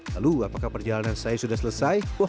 lalu apakah perjalanan saya sudah selesai